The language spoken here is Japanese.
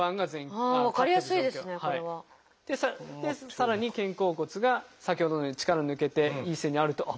さらに肩甲骨が先ほどのように力抜けていい姿勢になると。